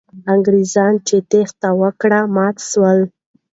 انګریزان چې تېښته یې وکړه، مات سول.